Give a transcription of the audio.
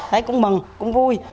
thấy cũng mừng cũng vui